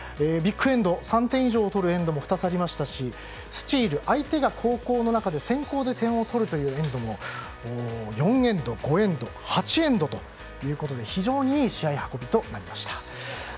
ビッグエンド、３点以上を取るエンドも２つありましたしスチール、相手が後攻の中で先攻で点を取るというエンドも４エンド、５エンド８エンドということで非常にいい試合運びとなりました。